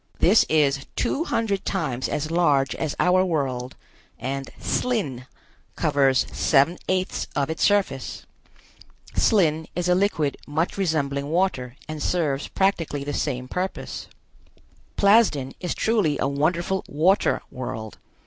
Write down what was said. This is two hundred times as large as our world, and "slin" covers seven eighths of its surface. Slin is a liquid much resembling water and serves practically the same purpose. Plasden is truly a wonderful water world.